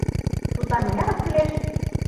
Тудлан мынярак кӱлеш?